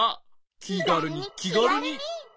きがるにきがるに。